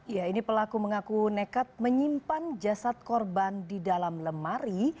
ya ini pelaku mengaku nekat menyimpan jasad korban di dalam lemari